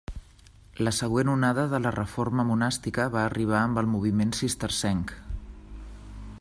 La següent onada de la reforma monàstica va arribar amb el moviment cistercenc.